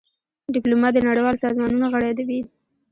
ډيپلومات د نړېوالو سازمانونو غړی وي.